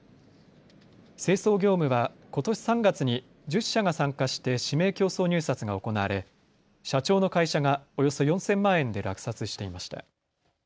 清掃業務はことし３月に１０社が参加して指名競争入札が行われ社長の会社がおよそ４０００万円で落札していました。